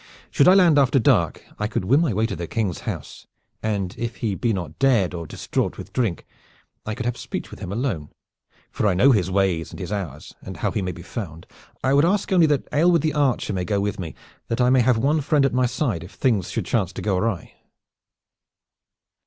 Should I land after dark, I could win my way to the King's house, and if he be not dead or distraught with drink I could have speech with him alone, for I know his ways and his hours and how he may be found. I would ask only that Aylward the archer may go with me, that I may have one friend at my side if things should chance to go awry."